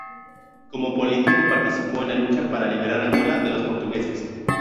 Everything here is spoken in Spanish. Como político, participó en la lucha para liberar Angola de los portugueses.